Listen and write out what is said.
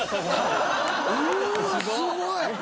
すごい！